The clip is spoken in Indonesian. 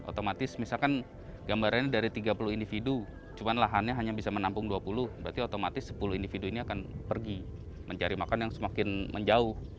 otomatis misalkan gambarannya dari tiga puluh individu cuman lahannya hanya bisa menampung dua puluh berarti otomatis sepuluh individu ini akan pergi mencari makan yang semakin menjauh